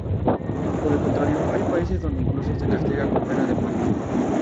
Por el contrario, hay países donde incluso se castiga con pena de muerte.